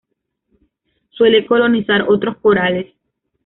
Suele colonizar otros corales.